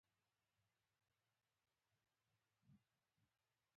د ميرويس خان له خبرو وروسته ځينې نور کسان هم وغږېدل.